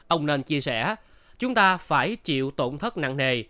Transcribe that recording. ông nền chia sẻ